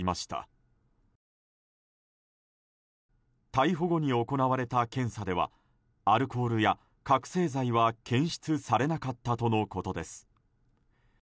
逮捕後に行われた検査ではアルコールや覚醒剤は検出されなかったとのことです。